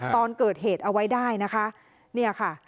ตอนเกิดเหตุเอาไว้ได้นะคะเนี่ยค่ะ